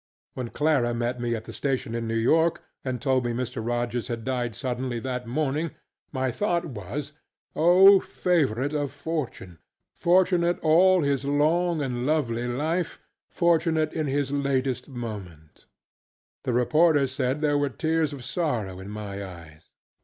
When Clara met me at the station in New York and told me Mr. Rogers had died suddenly that morning, my thought was, Oh, favorite of fortuneŌĆöfortunate all his long and lovely lifeŌĆöfortunate to his latest moment! The reporters said there were tears of sorrow in my eyes.